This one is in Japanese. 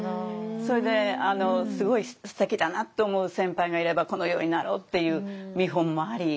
それですごいすてきだなって思う先輩がいればこのようになろうっていう見本もあり。